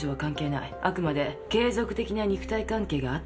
あくまで継続的な肉体関係があったかどうか。